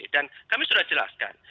dan kami sudah jelaskan